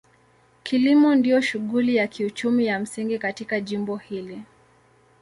Kilimo ndio shughuli ya kiuchumi ya msingi katika jimbo hili.